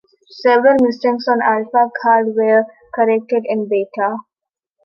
Several mistakes on "Alpha" cards were corrected in "Beta".